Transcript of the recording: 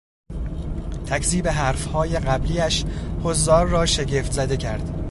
تکذیب حرف های قبلیاش حضار را شگفت زده کرد.